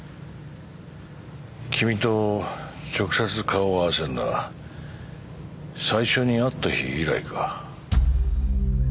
君と直接顔を合わせるのは最初に会った日以来か。